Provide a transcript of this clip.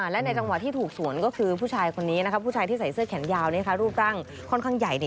และในจังหวะที่ถูกสวนก็คือผู้ชายคนนี้ผู้ชายที่ใส่เสื้อแขนยาวรูปร่างค่อนข้างใหญ่